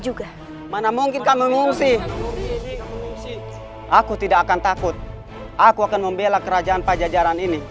juga mana mungkin kamu mengungsi aku tidak akan takut aku akan membela kerajaan pajajaran ini